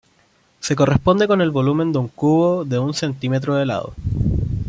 Se corresponde con el volumen de un cubo de un centímetro de lado.